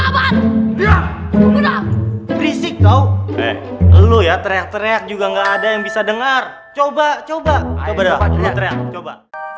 berisik kau eh lu ya teriak teriak juga nggak ada yang bisa dengar coba coba coba coba